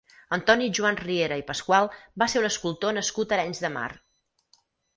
Antoni Joan Riera i Pascual va ser un escultor nascut a Arenys de Mar.